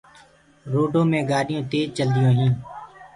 روڊو مي گآڏيونٚ تيج چلديونٚ هينٚ